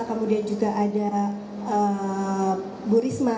kemudian juga ada bu risma